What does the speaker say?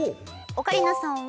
オカリナさんは。